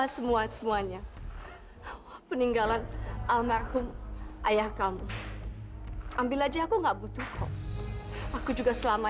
semua semuanya peninggalan almarhum ayah kamu ambil aja aku nggak butuh kok aku juga selama